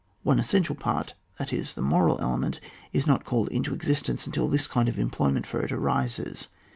One essential part that is the moral ele ment, is not called into existence until this kind of employment for it arises.